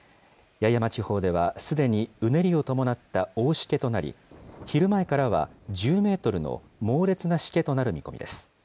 八重山地方ではすでにうねりを伴った大しけとなり、昼前からは１０メートルの猛烈なしけとなる見込みです。